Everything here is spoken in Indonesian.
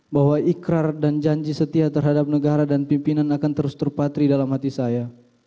bahwa ikrar dan janji setia terhadap negara dan pimpinan akan terus terpatri dalam hati saya